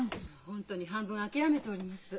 本当に半分諦めております。